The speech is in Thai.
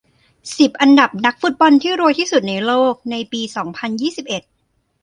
สิบ อันดับนักฟุตบอลที่รวยที่สุดในโลกในปี สองพันยี่สิบเอ็ด